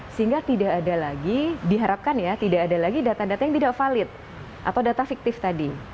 sehingga tidak ada lagi diharapkan ya tidak ada lagi data data yang tidak valid atau data fiktif tadi